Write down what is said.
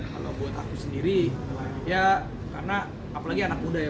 kalau buat aku sendiri ya karena apalagi anak muda ya